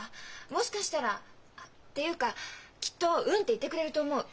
もしかしたらっていうかきっと「うん」って言ってくれると思う。